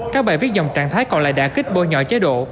các bài viết dòng trạng thái còn lại đã kích bôi nhỏ chế độ